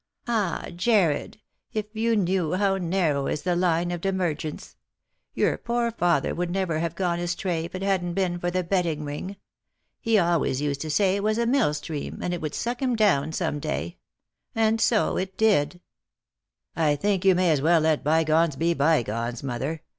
" Ah, Jarred, if you knew how narrow is the line of dimer gence ! Your poor father would never have gone astray if it hadn't been for the betting ring. He always used to say it was a mill stream, and it would suck him down some day ; and so it did." " I think you may as well let bygones be bygones, mother.